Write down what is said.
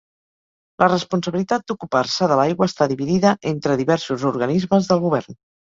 La responsabilitat d'ocupar-se de l'aigua està dividida entre diversos organismes del govern.